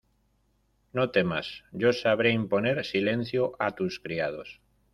no temas: yo sabré imponer silencio a tus criados.